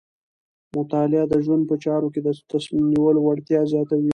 مطالعه د ژوند په چارو کې د تصمیم نیولو وړتیا زیاتوي.